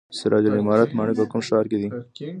سراج العمارت ماڼۍ په کوم ښار کې ده؟